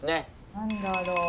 何だろう？